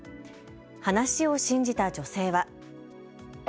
話を信じた女性は。